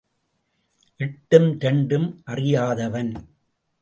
எட்டும் இரண்டும் அறியாதவன்.